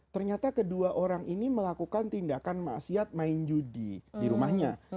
ternyata kedua orang ini melakukan tindakan ⁇ asiat main judi di rumahnya